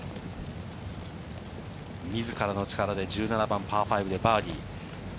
自らの力で１７番、パー５でバーディー。